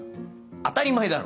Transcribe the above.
当たり前だろ！